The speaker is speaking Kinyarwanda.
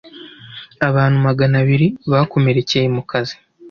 abantu maganabiri bakomerekeye mu kazi,